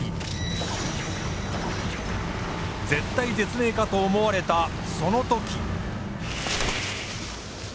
絶体絶命かと思われたその時！